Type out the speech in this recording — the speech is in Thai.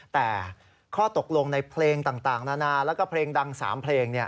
แต่ข้อตกลงในเพลงต่างนานาแล้วก็เพลงดัง๓เพลง